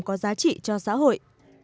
có giá trị cho xã hội